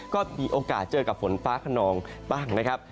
ก็มีโอกาสเจอกับฝนฟ้าขนองบ้างนะครับ